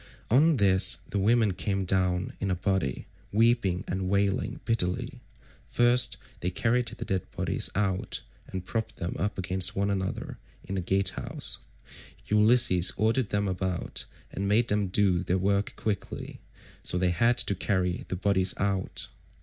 On this the women came down in a body, weeping and wailing bitterly. First they carried the dead bodies out, and propped them up against one another in the gatehouse. Ulysses ordered them about and made them do their work quickly, so they had to carry the bodies out.